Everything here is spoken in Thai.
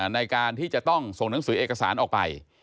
ในการที่จะต้องส่งหนังสือเอกสารออกไป